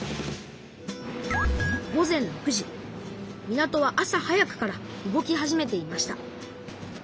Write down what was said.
港は朝早くから動き始めていました。